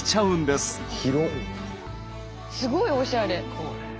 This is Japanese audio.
すごいおしゃれ。